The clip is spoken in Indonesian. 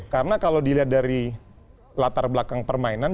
karena kalau dilihat dari latar belakang permainan